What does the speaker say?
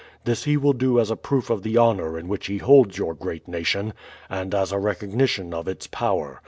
This he will do as a proof of the honor in which he holds your great nation and as a recognition of its power.